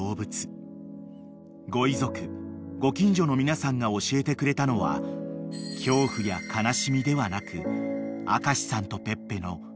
［ご遺族ご近所の皆さんが教えてくれたのは恐怖や悲しみではなく明さんとペッペの］